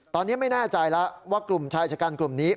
ตอนนี้ไม่แน่ใจแล้วว่ากลุ่มชายชะกันกลุ่มนี้